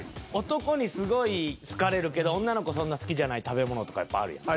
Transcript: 男にすごい好かれるけど女の子そんな好きじゃない食べ物とかやっぱあるやん。